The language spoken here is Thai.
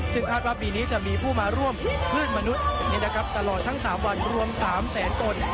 ซึ่งคาดว่าปีนี้จะมีผู้มาร่วมพืชมนุษย์เนี่ยนะครับตลอดทั้ง๓วันรวม๓แสนต้น